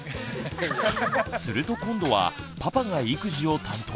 すると今度はパパが育児を担当。